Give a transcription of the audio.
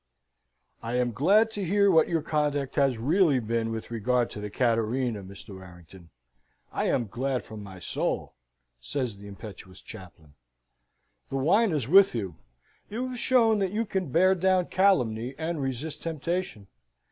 "I am glad to hear what your conduct has really been with regard to the Cattarina, Mr. Warrington; I am glad from my soul," says the impetuous chaplain. "The wine is with you. You have shown that you can bear down calumny, and resist temptation.